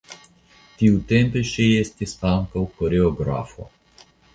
Tiutempe ŝi estis ankaŭ koreografo.